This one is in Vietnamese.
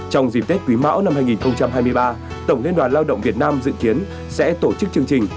trong dịp tết quý mão năm hai nghìn hai mươi ba tổng liên đoàn lao động việt nam dự kiến sẽ tổ chức chương trình